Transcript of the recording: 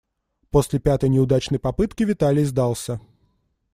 После пятой неудачной попытки Виталий сдался.